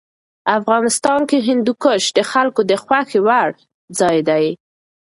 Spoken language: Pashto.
افغانستان کې هندوکش د خلکو د خوښې وړ ځای دی.